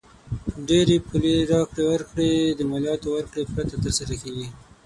ډېری پولي راکړې ورکړې د مالیاتو ورکړې پرته تر سره کیږي.